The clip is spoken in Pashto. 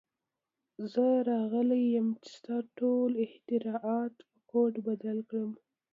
زه راغلی یم چې ستا ټول اختراعات په کوډ بدل کړم